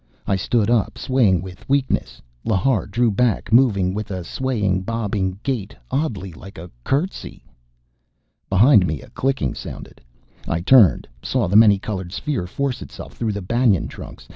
I stood up, swaying with weakness. Lhar drew back, moving with a swaying, bobbing gait oddly like a curtsey. Behind me a clicking sounded. I turned, saw the many colored sphere force itself through the banyan trunks.